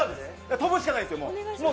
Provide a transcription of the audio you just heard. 飛ぶしかないですよ、もう。